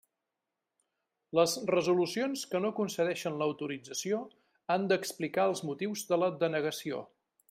Les resolucions que no concedixen l'autorització han d'explicar els motius de la denegació.